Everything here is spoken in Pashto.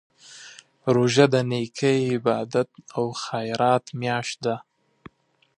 روژه د نېکۍ، عبادت او خیرات میاشت ده.